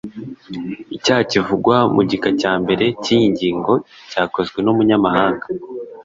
icyaha kivugwa mu gika cya mbere cy’iyi ngingo cyakozwe n’umunyamahanga,